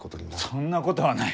そんなことはない！